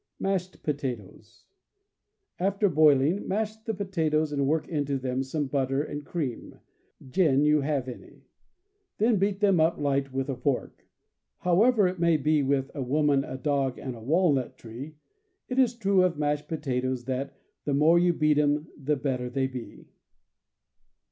Mashed Potatoes. — After boiling, mash the potatoes, and work into them some butter and cream, gin you have any. Then beat them up light with a fork. However it may be with "a woman, a dog, and a walnut 154 CAMPING AND WOODCRAFT tree," it is true of mashed potatoes, that "the more you beat 'em, the better they be."